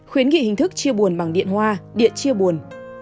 khuyến nghị hình thức chia buồn bằng điện hoa điện chia buồn